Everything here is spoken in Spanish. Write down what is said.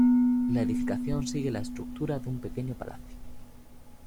La edificación sigue la estructura de un pequeño palacio.